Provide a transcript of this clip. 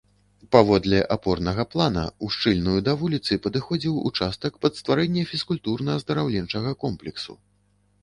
Паводле апорнага плана, ушчыльную да вуліцы падыходзіў участак пад стварэнне фізкультурна-аздараўленчага комплексу.